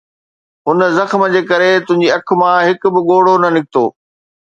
ان زخم جي ڪري تنهنجي اک مان هڪ به ڳوڙهو نه نڪتو